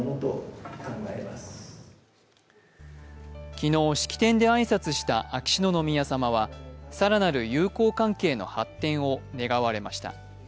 昨日、式典で挨拶した秋篠宮さまは更なる友好関係の発展を願われました。